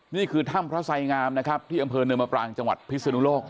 นี่คือถ้ำพระไสงามนะครับที่อำเภอเนินมปรางจังหวัดพิศนุโลก